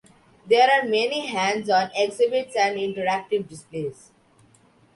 There are many hands-on exhibits and interactive displays.